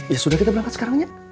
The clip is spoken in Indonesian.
ya sudah kita berangkat sekarang ya